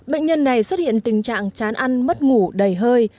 bệnh nhân này xuất hiện tình trạng chán ăn mất ngủ đầy hơi